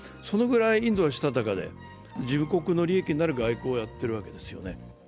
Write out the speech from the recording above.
そのぐらいインドはしたたかで自国の利益になる外交をやっているわけですよね。